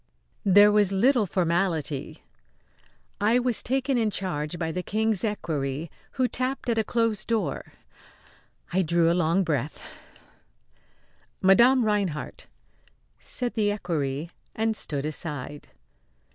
There was little formality. I was taken in charge by the King's equerry, who tapped at a closed door. I drew a long breath. "Madame Rinehart!" said the equerry, and stood aside.